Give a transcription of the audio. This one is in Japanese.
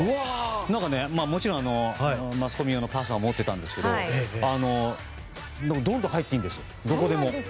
もちろんマスコミ用のパスは持っていたんですけどどんどん入っていいんですどこでも。